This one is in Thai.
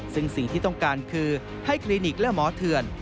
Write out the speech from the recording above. ซึ่งสิ่งที่ต้องการคือให้คลินิกและหมอเถื่อน